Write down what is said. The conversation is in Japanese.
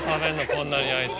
こんなに焼いて。